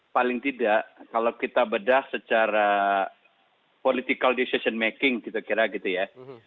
paling tidak kalau kita bedah secara political decision making kita kira gitu ya